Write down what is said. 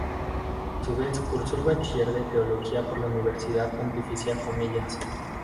A su vez cursó el bachiller de Teología por la Universidad Pontificia Comillas.